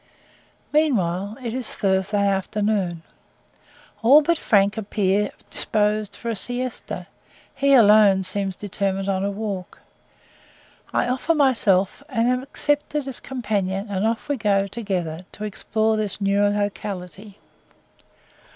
Meanwhile, it is Thursday afternoon. All but Frank appear disposed for a siesta; he alone seems determined on a walk. I offer myself and am accepted as a companion, and off we go together to explore this new locality.